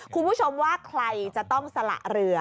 คุณผู้ชมว่าใครจะต้องสละเรือ